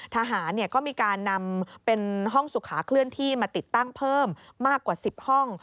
ทหารก็มีการนำเป็นห้องสุขาเคลื่อนที่มาติดตั้งเพิ่มมากกว่า๑๐ห้อง